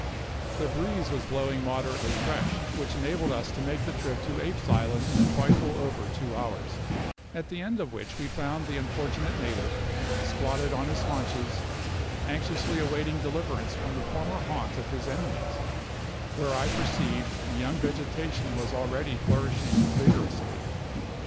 The breeze was blowing moderately fresh, which enabled us to make the trip to Apes' Island in a trifle over two hours, at the end of which we found the unfortunate native, squatted on his haunches, anxiously awaiting deliverance from the former haunt of his enemies, where I perceived the young vegetation was already flourishing vigorously.